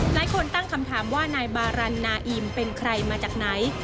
หลายคนตั้งคำถามว่านายบารันนาอิมเป็นใครมาจากไหน